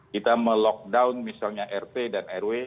kita melockdown misalnya rt dan rw